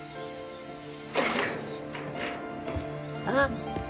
あっ。